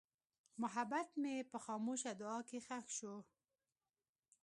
محبت مې په خاموشه دعا کې ښخ شو.